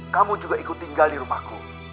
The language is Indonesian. kamu juga ikut tinggal di rumahku